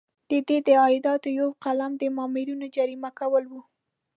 د ده د عایداتو یو قلم د مامورینو جریمه کول وو.